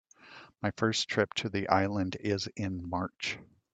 My first trip to the island is in March.